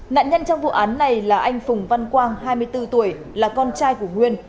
nạn nhân trong vụ án này là anh phùng văn quang hai mươi bốn tuổi là con trai của nguyên